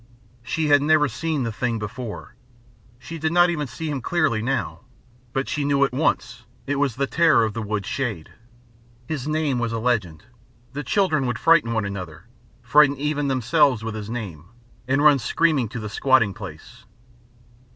She had never seen the thing before, she did not even see him clearly now, but she knew at once it was the Terror of the Woodshade. His name was a legend, the children would frighten one another, frighten even themselves with his name, and run screaming to the squatting place.